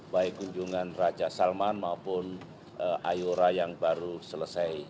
baik kunjungan raja salman maupun ayora yang baru selesai